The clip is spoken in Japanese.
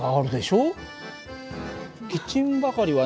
キッチンばかりはね